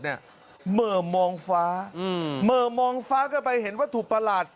เหม่อมองฟ้าเหม่อมองฟ้ากันไปเห็นวัตถุประหลาด